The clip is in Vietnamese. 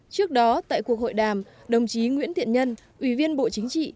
trước đó tại cuộc hội đàm đồng chí nguyễn thiện nhân ủy viên bộ chính trị